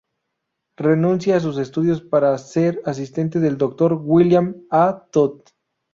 Renuncia a sus estudios para ser asistente del doctor William A. Todd.